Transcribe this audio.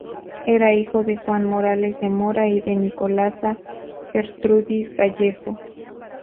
Era hijo de Juan Morales de Mora y de Nicolasa Gertrudis Gallego.